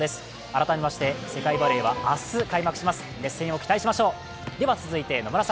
改めまして世界バレーは明日開幕します、熱戦を期待しましょう。